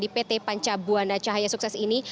di pt pancabuanda cahaya sukses ini